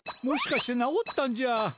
もしかして直ったんじゃ！？